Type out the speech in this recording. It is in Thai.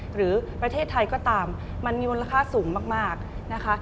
หรือประเทศไทยก็ตามมันมีมูลค่าสูงมากนะคะ